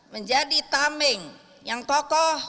menjadi tameng yang kokoh